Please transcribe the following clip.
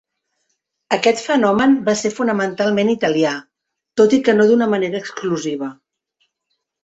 Aquest fenomen va ser fonamentalment italià, tot i que no d'una manera exclusiva.